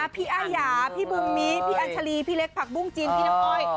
พี่อายาพี่บูมมิพี่อัญชาลีพี่เล็กผักบุ้งจีนพี่น้ำอ้อย